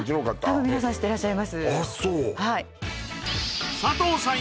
多分皆さん知ってらっしゃいます佐藤さん